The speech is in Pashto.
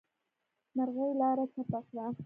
مرغۍ لاره چپه کړه.